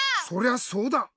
そりゃそうだ！